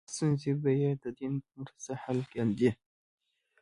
ستونزې به یې د دین په مرسته حل کاندې.